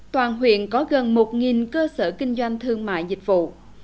toàn huyện có gần một cơ sở kinh doanh thương mại dịch vụ